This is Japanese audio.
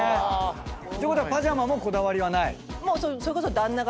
ていうことはパジャマもこだわりはない？